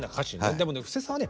でもね布施さんはね